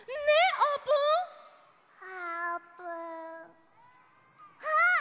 あっ！